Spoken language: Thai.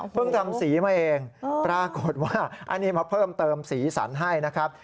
ทำสีมาเองปรากฏว่าอันนี้มาเพิ่มเติมสีสันให้นะครับ